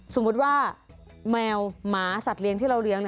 สมมุติว่าแมวหมาสัตว์เลี้ยงที่เราเลี้ยง